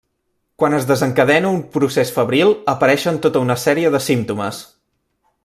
Quan es desencadena un procés febril apareixen tota una sèrie de símptomes.